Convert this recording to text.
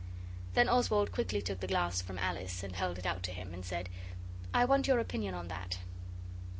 Then Oswald quickly took the glass from Alice, and held it out to him, and said, 'I want your opinion on that.